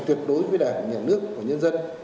tuyệt đối với đảng nhà nước và nhân dân